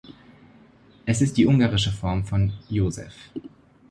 Es ist die ungarische Form von Joseph.